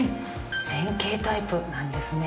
前傾タイプなんですね。